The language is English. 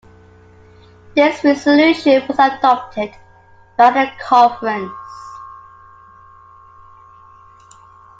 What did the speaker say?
This resolution was adopted by the conference.